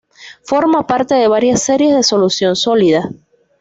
Forma parte de varias series de solución sólida.